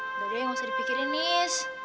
udah deh gak usah dipikirin nis